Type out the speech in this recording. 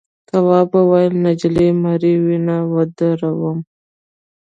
تواب وویل نجلۍ مري وینه ودروم.